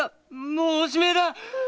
もうおしまいだ！